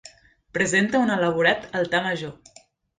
Presenta un elaborat altar major.